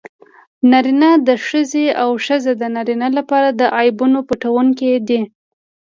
نارینه د ښځې او ښځه د نارینه لپاره د عیبونو پټوونکي دي.